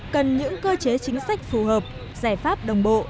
cần những cơ chế chính sách phù hợp giải pháp đồng bộ